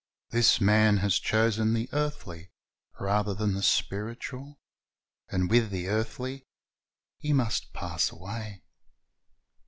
This man has chosen the earthly rather than the spiritual, and with the earthly he must pass away.